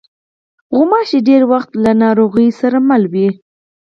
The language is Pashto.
غوماشې ډېری وخت له ناروغیو سره مله وي.